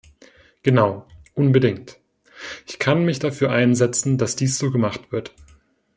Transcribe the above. Genau, unbedingt. Ich kann mich dafür einsetzen, dass dies so gemacht wird.